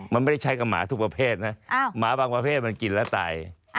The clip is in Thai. มันไม่ได้ใช้กับหมาทุกประเภทนะหมาบางประเภทมันกินแล้วตาย